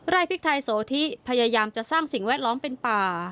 พริกไทยโสธิพยายามจะสร้างสิ่งแวดล้อมเป็นป่า